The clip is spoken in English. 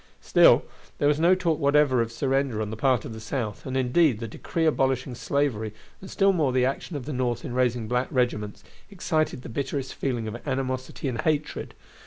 Still, there was no talk whatever of surrender on the part of the South, and, indeed, the decree abolishing slavery, and still more the action of the North in raising black regiments, excited the bitterest feeling of animosity and hatred.